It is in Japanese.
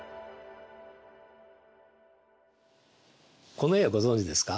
この絵をご存じですか？